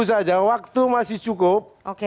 saja waktu masih cukup